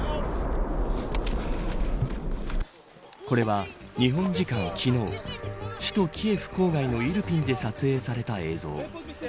これは、日本時間の昨日首都キエフ郊外のイルピンで撮影された映像。